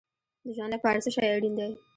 د ژوند لپاره څه شی اړین دی؟